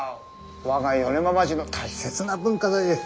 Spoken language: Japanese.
我が米麻町の大切な文化財です。